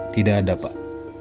tidak ada pak